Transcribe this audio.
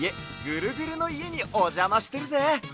ぐるぐるのいえにおじゃましてるぜ。